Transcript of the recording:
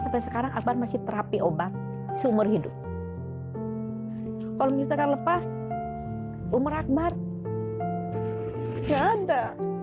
sampai sekarang akbar masih terapi obat seumur hidup kalau misalkan lepas umur akbar siapa